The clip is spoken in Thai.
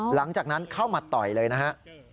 หลังจากนั้นเข้ามาต่อยเลยนะฮะ